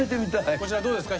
こちらどうですか？